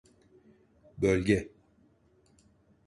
Bölge…